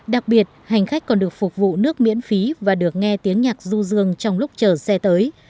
đặc biệt hành khách còn được phục vụ nước miễn phí và được nghe tiếng nhạc du dương trong lúc chờ xe tới